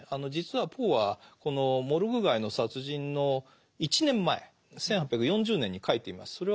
実はポーはこの「モルグ街の殺人」の１年前１８４０年に書いています。